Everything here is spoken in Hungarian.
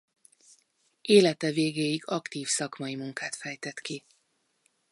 Élete végéig aktív szakmai munkát fejtett ki.